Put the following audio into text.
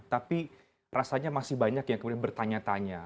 tapi rasanya masih banyak yang kemudian bertanya tanya